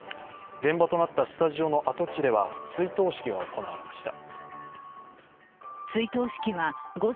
現場となったスタジオの跡地では追悼式が行われました。